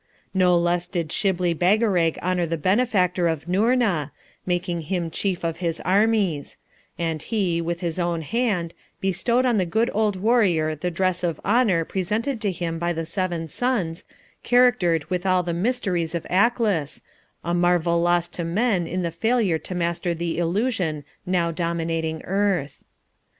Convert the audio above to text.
No less did Shibli Bagarag honour the benefactor of Noorna, making him chief of his armies; and he, with his own hand, bestowed on the good old warrior the dress of honour presented to him by the Seven Sons, charactered with all the mysteries of Aklis, a marvel lost to men in the failure to master the Illusion now dominating earth.